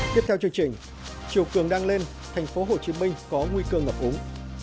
tiếp theo chương trình chiều cường đang lên thành phố hồ chí minh có nguy cơ ngập úng